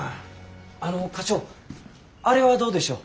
あの課長あれはどうでしょう。